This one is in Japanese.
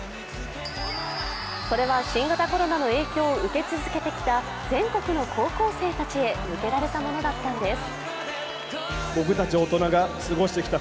それは新型コロナの影響を受け続けてきた全国の高校生たちへ向けられたものだったんです。